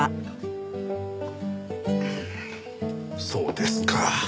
そうですか。